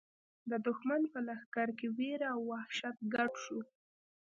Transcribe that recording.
د دښمن په لښکر کې وېره او وحشت ګډ شو.